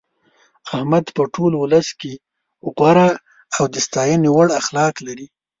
احمد په ټول ولس کې غوره او د ستاینې وړ اخلاق لري.